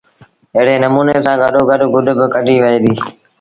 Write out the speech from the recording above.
ايڙي نموٚني سآݩ گڏو گڏ گُڏ با ڪڍيٚ وهي ديٚ